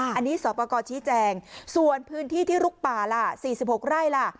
อันนี้สอปกรชี้แจงส่วนพื้นที่ที่ลุกป่าล่ะสี่สิบหกไร่ล่ะ